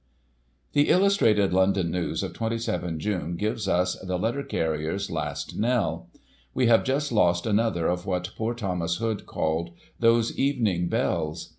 The Illustrated London News, of 27 June, gives us "The Letter Carrier's Last Knell. — ^We have just lost another of what poor Thomas Hood called, * Those evening bells.'